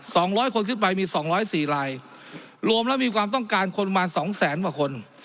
ร้อยคนขึ้นไปมีสองร้อยสี่ลายรวมแล้วมีความต้องการคนมาสองแสนกว่าคน